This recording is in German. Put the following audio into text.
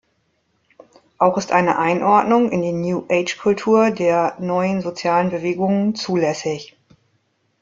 Auch ist eine Einordnung in die New-Age-Kultur der neuen sozialen Bewegungen zulässig.